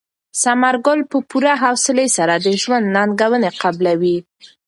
ثمر ګل په پوره حوصلې سره د ژوند ننګونې قبلولې.